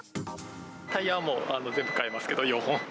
タイヤはもう、全部替えますけれども、４本。